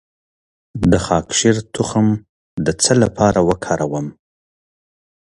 د خاکشیر تخم د څه لپاره وکاروم؟